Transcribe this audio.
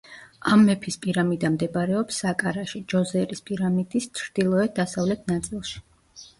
ამ მეფის პირამიდა მდებარეობს საკარაში, ჯოსერის პირამიდის ჩრდილოეთ-დასავლეთ ნაწილში.